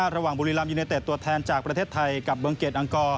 ระหว่างบุรีลำยูเนตเต็ดตัวแทนจากประเทศไทยกับเบื้องเกร็ดอังกอ